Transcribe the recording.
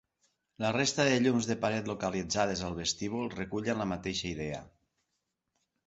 La resta de llums de paret localitzades al vestíbul recullen la mateixa idea.